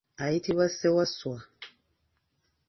Ayitibwa Ssewaswa.